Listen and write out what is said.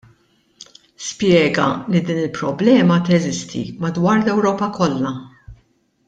Spjega li din il-problema teżisti madwar l-Ewropa kollha.